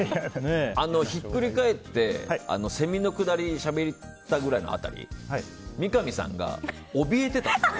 ひっくり返ってセミの下りしゃべったぐらいの辺り三上さんがおびえてたよ。